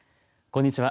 こんにちは。